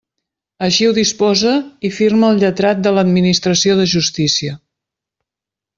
Així ho disposa i firma el lletrat de l'Administració de justícia.